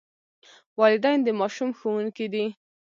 والدین د ماشوم ښوونکي دي.